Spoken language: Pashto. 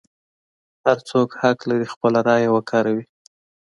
هر څوک حق لري خپله رایه وکاروي.